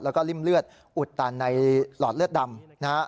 และริมเลือดอุดตันในหลอดเลือดดำ